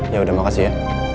yaudah makasih ya